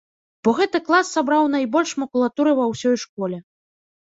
Бо гэты клас сабраў найбольш макулатуры ва ўсёй школе.